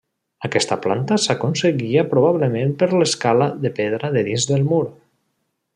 Aquesta planta s'aconseguia probablement per l'escala de pedra de dins del mur.